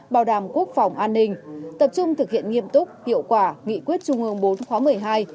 bảo đảm quốc phòng an ninh tập trung thực hiện nghiêm túc hiệu quả nghị quyết trung ương bốn khóa một mươi hai